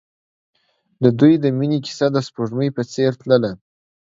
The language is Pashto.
د دوی د مینې کیسه د سپوږمۍ په څېر تلله.